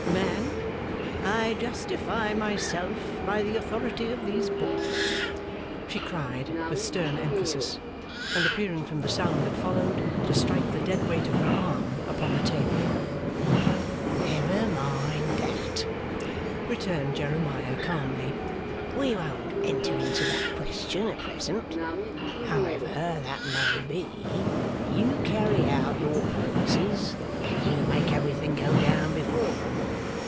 'Man! I justify myself by the authority of these Books,' she cried, with stern emphasis, and appearing from the sound that followed to strike the dead weight of her arm upon the table. 'Never mind that,' returned Jeremiah calmly, 'we won't enter into that question at present. However that may be, you carry out your purposes, and you make everything go down before them.